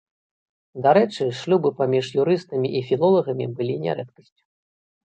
Дарэчы, шлюбы паміж юрыстамі і філолагамі былі нярэдкасцю.